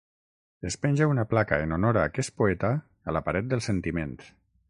Es penja una placa en honor a aquest poeta a la Paret dels sentiments.